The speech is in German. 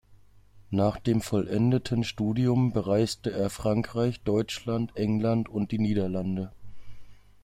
Nach dem vollendeten Studium bereiste er Frankreich, Deutschland, England und die Niederlande.